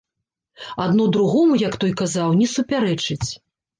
Адно другому, як той казаў, не супярэчыць.